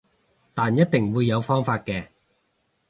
但一定會有方法嘅